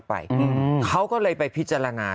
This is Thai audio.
ดำเนินคดีต่อไปนั่นเองครับ